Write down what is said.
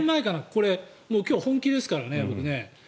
これ、今日は本気ですからね。